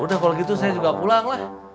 ya udah kalau begitu saya juga pulang lah